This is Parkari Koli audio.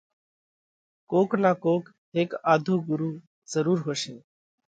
ڪوڪ نا ڪوڪ ھيڪ آڌو ڳرُو ضرُور ھوشي۔